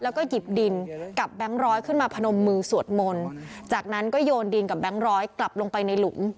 แล้วก็หยิบดินกับแบงค์ร้อยขึ้นมาพนมมือสวดมนต์จากนั้นก็โยนดินกับแบงค์ร้อยกลับลงไปในหลุม